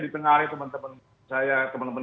di tengah hari teman teman saya teman teman